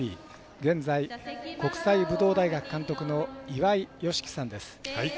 現在、国際武道大学監督の岩井美樹さんです。